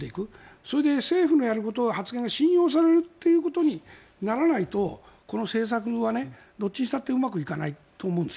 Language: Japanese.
それで政府のやること、発言が信用されることにならないとこの政策はどっちにしたってうまくいかないと思うんです。